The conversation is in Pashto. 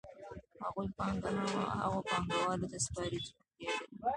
هغوی پانګه هغو پانګوالو ته سپاري چې اړتیا لري